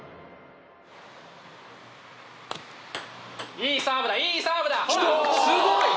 いいサーブだいいサーブだ来た！